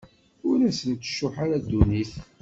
Ur asent-tcuḥḥ ara ddunit.